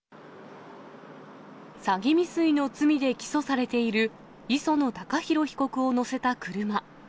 詐欺未遂の罪で起訴されている磯野貴博被告を乗せた車。